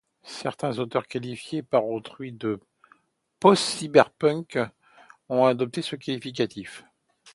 Certains auteurs qualifiés par autrui de postcyberpunk ont adopté ce qualificatif.